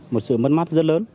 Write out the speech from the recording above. một sự mất mát rất lớn